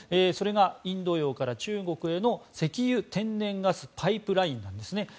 それがインド洋から中国への石油・天然ガスパイプラインなんですね。